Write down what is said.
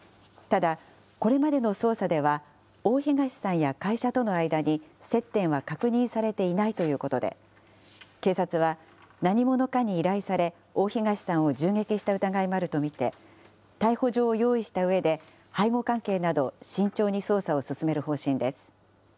ただ、これまでの捜査では、大東さんや会社との間に、接点は確認されていないということで、警察は何者かに依頼され、大東さんを銃撃した疑いもあると見て、逮捕状を用意したうえで、背後関係など、慎重に捜査を進める方針です。